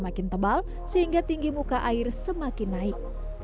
semakin tebal sehingga tinggi muka air semakin naik